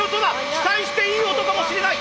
期待していい音かもしれない！